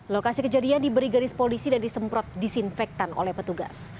lokasi kejadian diberi garis polisi dan disemprot disinfektan oleh petugas